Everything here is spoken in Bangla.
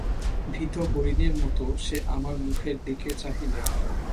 ভীত হরিণীর মতো সে আমার মুখের দিকে চাহিল।